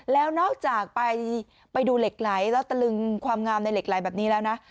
แล้วนอกจากไปดูเหล็กไหลแล้วตะลึงความงามในเหล็กไหลแบบนี้แล้วนะ